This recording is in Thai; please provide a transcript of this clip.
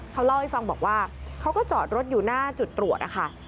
เขาเล่าให้ฟังบอกว่าเขาก็จอดรถอยู่หน้าจุดตรวจนะคะ